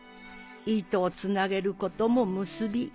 糸をつなげることもムスビ。